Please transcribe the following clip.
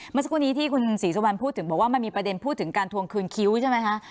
เมื่อสักครู่นี้ที่คุณศรีสุวรรณพูดถึงบอกว่ามันมีประเด็นพูดถึงการทวงคืนคิ้วใช่ไหมคะ